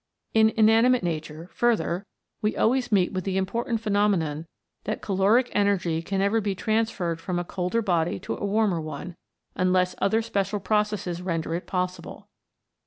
In inanimate Nature, further, we always meet with the important phenomenon that caloric energy can never be transferred from a colder body to a warmer one, unless other special processes render it possible.